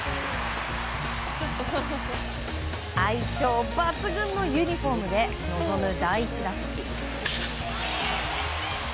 相性抜群のユニホームで臨む第１打席。